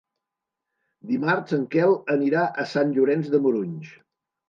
Dimarts en Quel anirà a Sant Llorenç de Morunys.